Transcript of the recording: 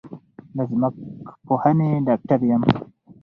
د ځمکپوهنې ډاکټر یم